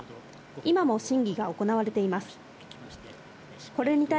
今も審議が行われています。